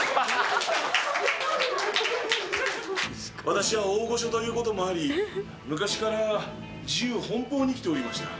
私は大御所ということもあり、昔から自由奔放に生きておりました。